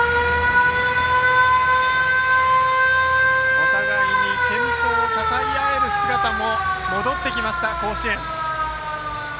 お互いに健闘をたたえ合える姿も戻ってきました甲子園。